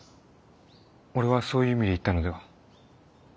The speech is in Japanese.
俺はそういう意味で言ったのでは。